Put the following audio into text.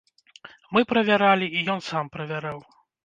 Мы правяралі, і ён сам правяраў.